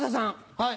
はい。